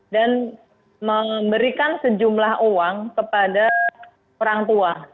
dan memberikan sejumlah uang kepada orang tua